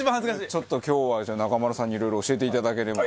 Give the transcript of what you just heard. ちょっと今日はじゃあ中丸さんにいろいろ教えていただければ。